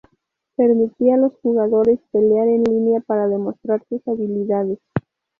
Permitía a los jugadores pelear en línea para demostrar sus habilidades.